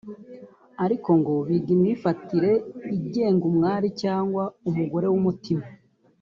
ariko ngo biga imyifatire igenga umwari cyangwa umugore w’umutima